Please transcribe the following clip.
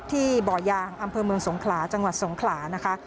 ที่บ่อยางอำเภอเมืองสงขลาจังหวัดสงขลานะคะ